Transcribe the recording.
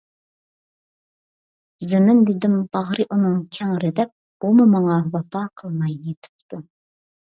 زېمىن دېدىم باغرى ئۇنىڭ كەڭرى دەپ، ئۇمۇ ماڭا ۋاپا قىلماي يېتىپتۇ!